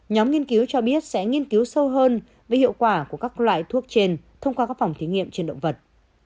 nhóm nghiên cứu cho biết sẽ nghiên cứu sâu hơn về hiệu quả của các loại thuốc trên thông qua các phòng thí nghiệm trên động vật